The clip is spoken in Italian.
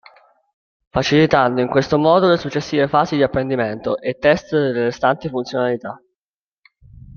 Facilitando in questo modo le successive fasi di apprendimento e test delle restanti funzionalità.